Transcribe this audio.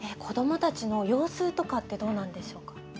子どもたちの様子とかってどうなんでしょうか？